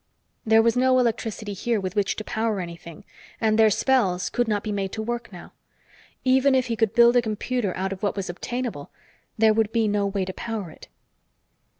There was no electricity here with which to power anything, and their spells could not be made to work now. Even if he could build a computer out of what was obtainable, there would be no way to power it.